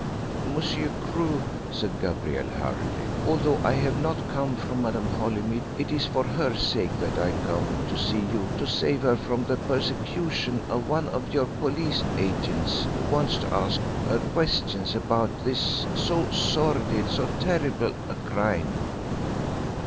"Monsieur Crewe," said Gabrielle hurriedly, "although I have not come from Madame Holymead, it is for her sake that I come to see you to save her from the persecution of one of your police agents who wants to ask her questions about this so sordid so terrible a crime!